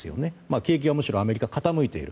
景気はむしろアメリカは傾いている。